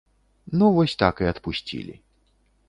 Ну вось так і адпусцілі.